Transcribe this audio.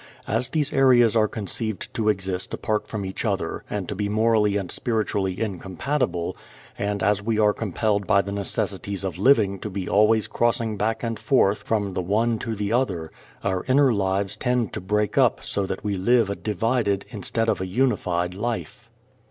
As these areas are conceived to exist apart from each other and to be morally and spiritually incompatible, and as we are compelled by the necessities of living to be always crossing back and forth from the one to the other, our inner lives tend to break up so that we live a divided instead of a unified life.